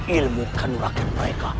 ilmu kanurakan mereka